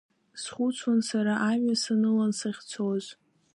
Схәыцуан сара амҩа санылан сахьцоз.